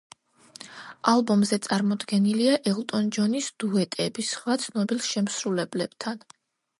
ალბომზე წარმოდგენილია ელტონ ჯონის დუეტები სხვა ცნობილ შემსრულებლებთან.